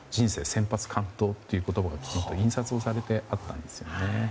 先発完投という言葉がきちんと印刷されてあったんですよね。